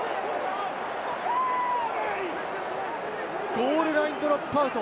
ゴールラインドロップアウト。